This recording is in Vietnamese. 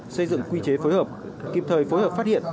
xây dựng quy chế phối hợp kịp thời phối hợp phát hiện